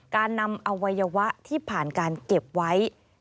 การนำอวัยวะที่ผ่านการเก็บไว้